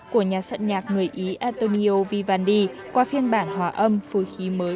của nhà soạn nhạc người ý antonio vivandi qua phiên bản hòa âm phối khí mới